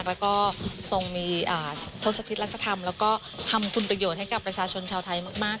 แล้วก็ทรงมีทศพิษรัศธรรมแล้วก็ทำคุณประโยชน์ให้กับประชาชนชาวไทยมาก